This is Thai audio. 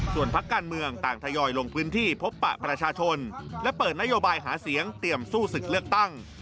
ส่วนพักการเมืองต่างทยอยลงพื้นที่พบปะประชาชนและเปิดนโยบายหาเสียงเตรียมสู้ศึกเลือกตั้ง